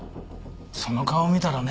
その顔を見たらね